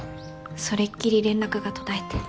それっきり連絡が途絶えて。